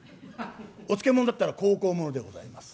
「お漬物」だったら「香々もの」でございます。